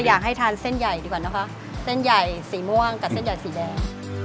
อยากให้ทานเส้นใหญ่ดีกว่านะคะเส้นใหญ่สีม่วงกับเส้นใหญ่สีแดง